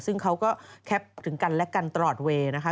ซึ่งเขาก็แคปถึงกันและกันตลอดเวย์นะคะ